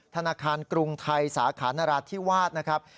ธนาคารกรุงไทยสาขานราธิวาสนะครับ